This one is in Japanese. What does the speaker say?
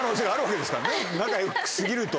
仲良くし過ぎると。